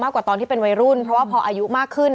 กว่าตอนที่เป็นวัยรุ่นเพราะว่าพออายุมากขึ้น